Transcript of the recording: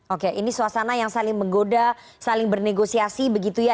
oke ini suasana yang saling menggoda saling bernegosiasi begitu ya